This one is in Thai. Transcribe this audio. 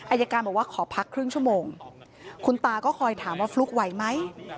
อายการบอกว่าขอพักครึ่งชั่วโมงคุณตาก็คอยถามว่าฟลุ๊กไหวไหม